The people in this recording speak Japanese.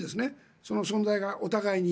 その存在がお互いに。